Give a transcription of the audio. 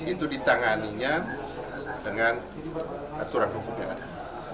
itu ditanganinya dengan aturan hukum yang ada